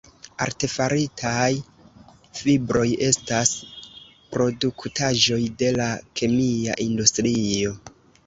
Artefaritaj fibroj estas produktaĵoj de la kemia industrio.